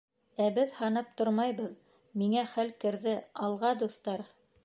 — Ә беҙ һанап тормайбыҙ, миңә хәл керҙе, алға дуҫтар!